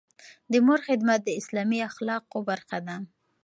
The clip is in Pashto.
د مور خدمت د اسلامي اخلاقو برخه ده.